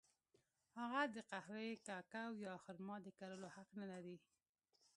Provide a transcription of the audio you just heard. هغه د قهوې، کوکو یا خرما د کرلو حق نه لري.